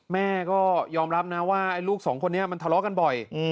แม่ก็ยอมรับนะว่าไอ้ลูกสองคนนี้มันทะเลาะกันบ่อย